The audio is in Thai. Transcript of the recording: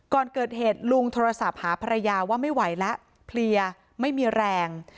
ก่อนเกิดเหตุลุงโทรศัพท์หาภรรยาว่าไม่ไหวแล้วเพลียไม่มีแรง